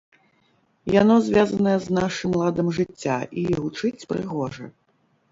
Яно звязанае з нашым ладам жыцця і гучыць прыгожа!